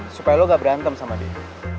supaya lo gak berantem sama dia